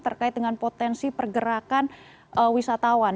terkait dengan potensi pergerakan wisatawan